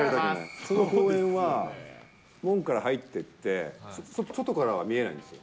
その公園は門から入っていって、外からは見えないんですよ。